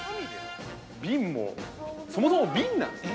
◆瓶も、そもそも瓶なんですね。